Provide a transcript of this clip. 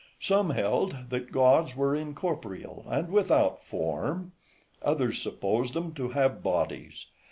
Some held that gods were incorporeal, and without form; others supposed them to have bodies.